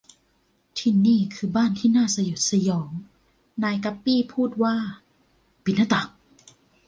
ที่นี่คือบ้านที่น่าสยดสยอง นายกั๊ปปี้พูดว่า ปิดหน้าต่าง